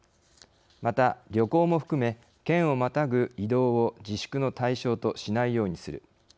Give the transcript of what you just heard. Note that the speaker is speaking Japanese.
また旅行も含め県をまたぐ移動を自粛の対象としないようにする。